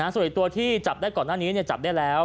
ส่วนอีกตัวที่จับได้ก่อนหน้านี้จับได้แล้ว